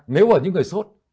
nếu mà những người sốt